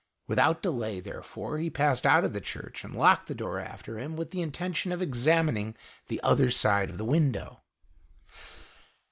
Without delay, there fore, he passed out of the church and locked the door after him, with the intention of examining the other side of the window.